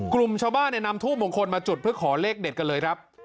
กลุ่มชาวบ้านนำทูบมงคลมาจุดเพื่อขอเลขเด็ดกันเลยครับ